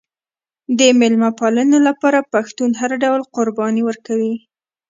د میلمه پالنې لپاره پښتون هر ډول قرباني ورکوي.